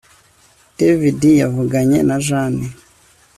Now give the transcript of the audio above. David yavuganye na Jane